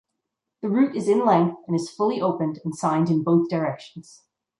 The route is in length and is fully open and signed in both directions.